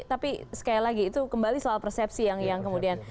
tapi sekali lagi itu kembali soal persepsi yang kemudian